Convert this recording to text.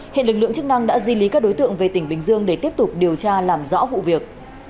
hiện lực lượng chức năng đã di lý các đối tượng về tỉnh bình dương để tiếp tục điều tra làm rõ vụ việc